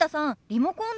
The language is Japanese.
リモコン